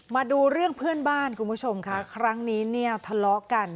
มาดูเรื่องเพื่อนบ้านคุณผู้ชมค่ะครั้งนี้เนี่ยทะเลาะกัน